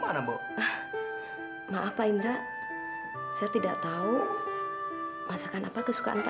kamu membuat aku miskin kayak kamu